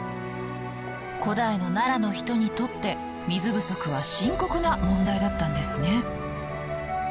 古代の奈良の人にとって水不足は深刻な問題だったんですね。